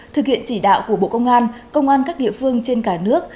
thực hiện chỉ đạo của bộ công an công an các địa phương trên cả nước